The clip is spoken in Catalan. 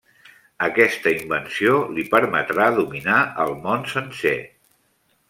Aquesta invenció li permetrà dominar el món sencer.